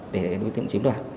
để đối tượng chiếm đoạt